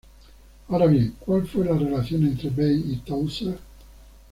Ahora bien, ¿cuál fue la relación entre Bay y Tausert?